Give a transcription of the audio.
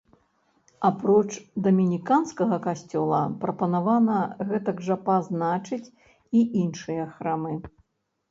Апроч дамініканскага касцёла, прапанавана гэтак жа пазначыць і іншыя храмы.